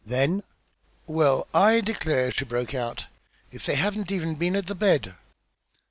Then "Well, I declare!" she broke out. "If they haven't even been at the bed!"